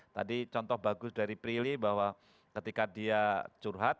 tadi contoh bagus dari prilly bahwa ketika dia curhat